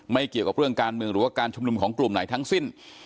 เกี่ยวกับเรื่องการเมืองหรือว่าการชุมนุมของกลุ่มไหนทั้งสิ้น